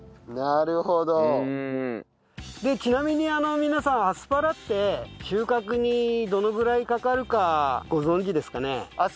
でちなみに皆さんアスパラって収穫にどのぐらいかかるかご存じですかね？